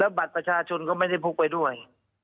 บัตรประชาชนก็ไม่ได้พกไปด้วย